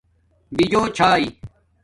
بِجوچھایݺ